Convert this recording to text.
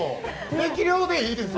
適量でいいですよ。